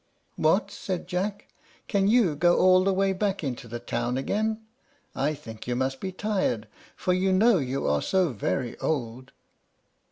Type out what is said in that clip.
"What!" said Jack; "can you go all the way back into the town again? I think you must be tired, for you know you are so very old."